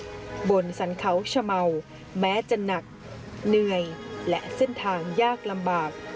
ประคับมนาคมบนสันเขาชะเมาแม้จะหนักเหนื่อยและเส้นทางยากลำบาก